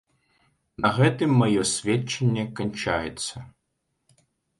На гэтым маё сведчанне канчаецца.